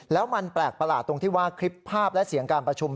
แล้วมันแปลกประหลาดตรงที่ว่าคลิปภาพและเสียงการประชุม